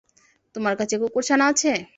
তোমার কাছে কুকুরছানা আছে?